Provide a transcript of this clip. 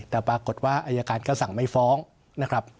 แต่ปรากฏว่าอายการก็สั่งไม่ฟ้องนะครับ